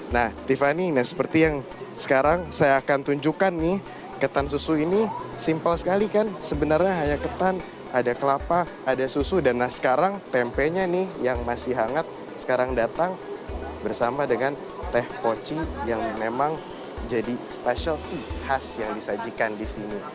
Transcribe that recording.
nah tiffany nah seperti yang sekarang saya akan tunjukkan nih ketan susu ini simpel sekali kan sebenarnya hanya ketan ada kelapa ada susu dan nah sekarang tempenya nih yang masih hangat sekarang datang bersama dengan teh poci yang memang jadi specialty khas yang disajikan disini